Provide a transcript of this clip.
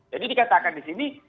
jadi dikatakan di sini